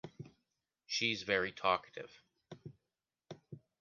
She’s very talkative.